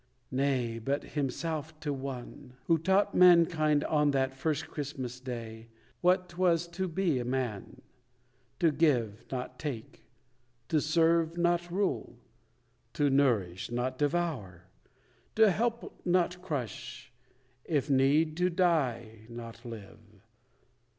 Nay, but Himself to one; Who taught mankind on that first Christmas Day, What 'twas to be a man; to give, not take; To serve, not rule; to nourish, not devour; To help, not crush; if need, to die, not live.